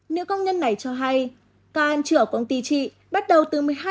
nữ công nhân này cho hay cao ăn trưa ở công ty chị bắt đầu từ một mươi hai h ba mươi